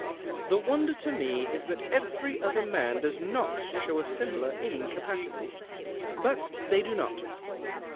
The wonder to me is that every other man does not show a similar incapacity. But they do not.